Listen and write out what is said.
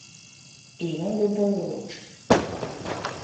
І ён выбраў вочы.